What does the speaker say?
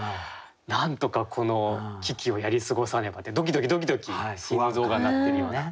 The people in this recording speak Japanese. なんとかこの危機をやり過ごさねばってドキドキドキドキ心臓が鳴ってるような。